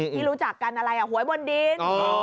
ที่รู้จักกันอะไรหวยบนดิน